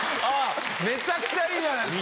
めちゃくちゃいいじゃないですか。